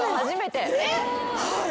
はい。